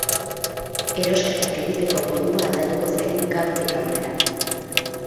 Erosketak egiteko modua aldatuko zaigu, gaurtik aurrera.